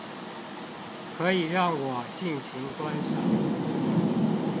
可以讓我盡情觀賞